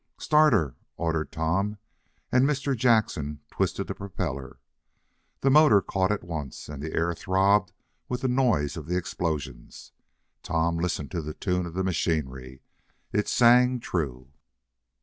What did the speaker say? "Start her," ordered Tom, and Mr. Jackson twisted the propeller. The motor caught at once, and the air throbbed with the noise of the explosions. Tom listened to the tune of the machinery. It sang true.